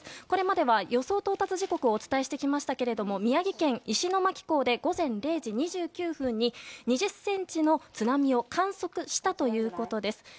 これまでは予想到達時刻をお伝えしてきましたけども宮城県石巻港で午前０時２９分に２０ｃｍの津波を観測したということです。